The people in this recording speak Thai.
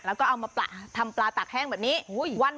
แล้วก็เอามาทำปลาตากแห้งแบบนี้